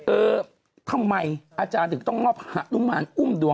เออทำไมอาจารย์ถึงต้องมอบนุมานอุ้มดวง